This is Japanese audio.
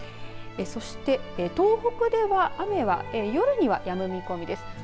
そして、東北では雨は、夜にはやむ見込みです。